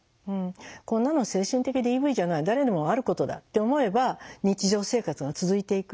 「こんなの精神的ＤＶじゃない誰にもあることだ」って思えば日常生活が続いていく。